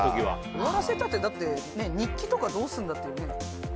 終わらせたって日記とかどうするんだって。